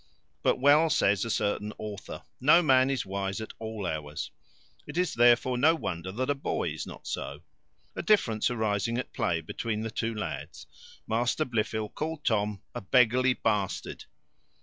But well says a certain author, No man is wise at all hours; it is therefore no wonder that a boy is not so. A difference arising at play between the two lads, Master Blifil called Tom a beggarly bastard.